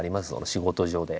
仕事上で。